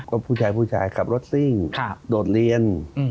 ก็ผู้ชายกลับรถซิ่งโดดเรียน